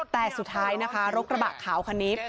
แต่สุดท้ายนะคะรถกระบะขาวคันนี้